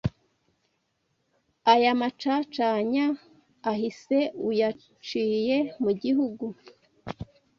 Aya macacanya ahise Uyaciye mu gihugu